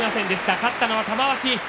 勝ったのは玉鷲。